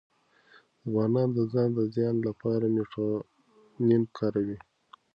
ځوانان د ځان د زیان لپاره میلاټونین کاروي.